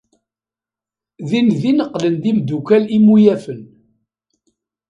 Dindin qqlen d imeddukal imuyafen.